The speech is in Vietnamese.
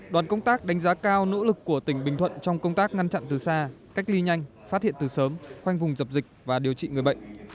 đoàn công tác đánh giá cao nỗ lực của tỉnh bình thuận trong công tác ngăn chặn từ xa cách ly nhanh phát hiện từ sớm khoanh vùng dập dịch và điều trị người bệnh